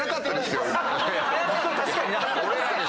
確かにな。